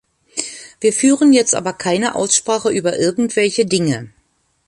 Wir führen jetzt aber keine Aussprache über irgendwelche Dinge.